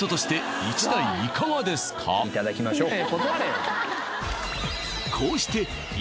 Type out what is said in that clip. いただきましょう